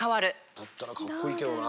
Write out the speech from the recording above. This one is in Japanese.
だったらかっこいいけどな。